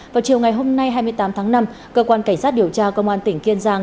vào chiều ngày hôm nay hai mươi tám tháng năm cơ quan cảnh sát điều tra công an tỉnh kiên giang